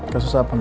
kasus apa memang